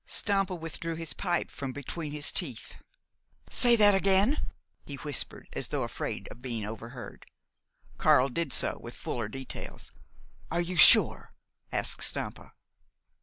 Stampa withdrew his pipe from between his teeth. "Say that again," he whispered, as though afraid of being overheard. Karl did so, with fuller details. "Are you sure?" asked Stampa.